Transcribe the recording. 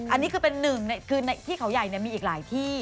อันนี้คือเป็นหนึ่งคือที่เขาใหญ่มีอีกหลายที่